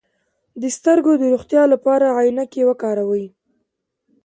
د سترګو د روغتیا لپاره عینکې وکاروئ